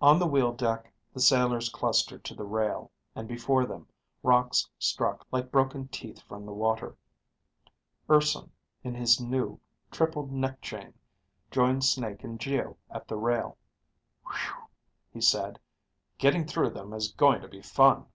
On the wheel deck the sailors clustered to the rail, and before them rocks struck like broken teeth from the water. Urson, in his new, triple neckchain, joined Snake and Geo at the rail. "Whew," he said. "Getting through them is going to be fun."